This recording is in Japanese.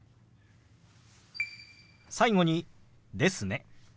最後に「ですね」。